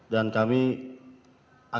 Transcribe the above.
dan kami akan